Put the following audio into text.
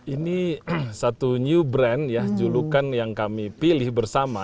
ini satu new brand ya julukan yang kami pilih bersama